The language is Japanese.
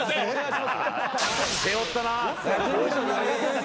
背負ったな。